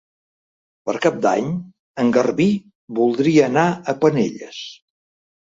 Per Cap d'Any en Garbí voldria anar a Penelles.